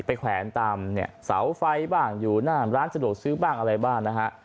แขวนตามเนี่ยเสาไฟบ้างอยู่หน้าร้านสะดวกซื้อบ้างอะไรบ้างนะฮะ